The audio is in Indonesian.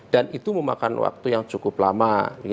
dan itu memakan waktu yang cukup lama